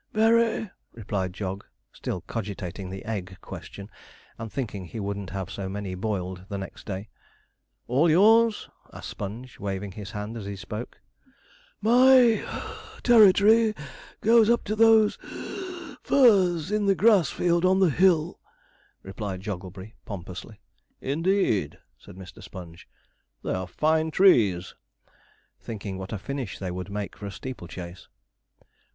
'Very,' replied Jog, still cogitating the egg question, and thinking he wouldn't have so many boiled the next day. 'All yours?' asked Sponge, waving his hand as he spoke. 'My (puff) ter ri tory goes up to those (wheeze) firs in the grass field on the hill,' replied Jogglebury, pompously. 'Indeed,' said Mr. Sponge, 'they are fine trees'; thinking what a finish they would make for a steeple chase.